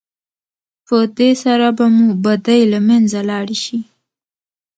په دې سره به مو بدۍ له منځه لاړې شي.